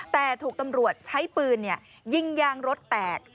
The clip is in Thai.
แต่ถูกตำรวจใช้ปืนยิงยางรถแตก